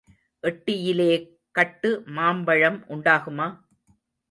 எட்டியிலே கட்டு மாம்பழம் உண்டாகுமா?